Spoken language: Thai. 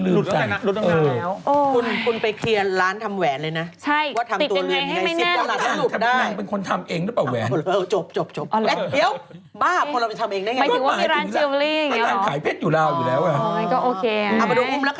เอาไปดูงรัคนนั้นนะครับ